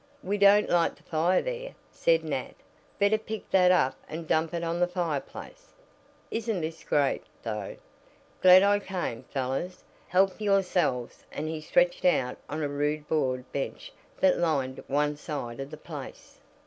"We don't light the fire there," said Nat "Better pick that up and dump it on the fireplace. Isn't this great, though? Glad I came! Fellows, help yourselves," and he stretched out on a rude board bench that lined one side of the place.